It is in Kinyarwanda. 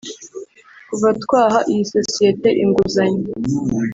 Kuva twaha iyi sosiyete inguzanyo